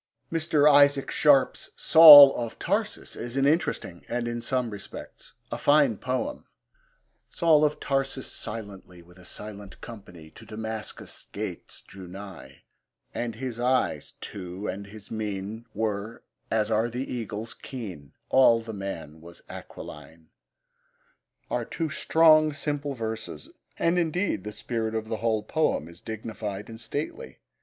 Mr. Isaac Sharp's Saul of Tarsus is an interesting, and, in some respects, a fine poem. Saul of Tarsus, silently, With a silent company, To Damascus' gates drew nigh. And his eyes, too, and his mien Were, as are the eagles, keen; All the man was aquiline are two strong, simple verses, and indeed the spirit of the whole poem is dignified and stately.